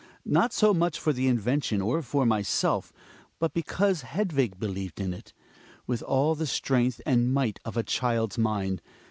Not so much for the invention or for myself, but because Hedvig believed in it — with all the strength and might of a child's mind.